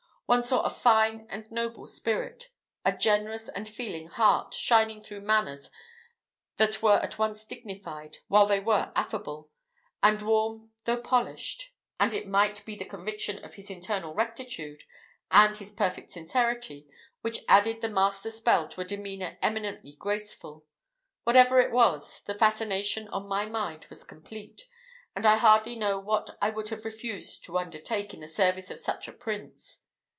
One saw a fine and noble spirit, a generous and feeling heart shining through manners that were at once dignified while they were affable, and warm though polished; and it might be the conviction of his internal rectitude, and his perfect sincerity, which added the master spell to a demeanour eminently graceful. Whatever it was, the fascination on my mind was complete; and I hardly know what I would have refused to undertake in the service of such a prince.